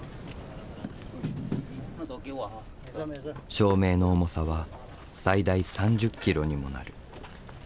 照明の重さは最大３０ｋｇにもなる。